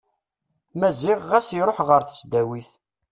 Maziɣ ɣas iruḥ ɣer tesdawit.